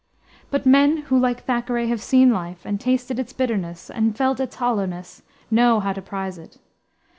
But men who, like Thackeray, have seen life and tasted its bitterness and felt its hollowness, know how to prize it.